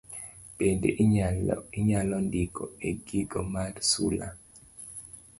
Bende inyalo ndiko e giko mar sula.